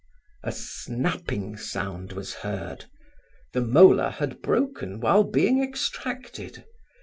A snapping sound was heard, the molar had broken while being extracted.